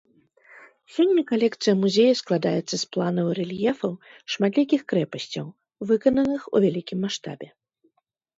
Сёння калекцыя музея складаецца з планаў і рэльефаў шматлікіх крэпасцяў, выкананых у вялікім маштабе.